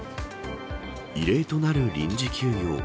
異例となる臨時休業。